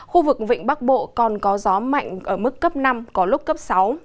khu vực vịnh bắc bộ còn có gió mạnh ở mức cấp năm có lúc cấp sáu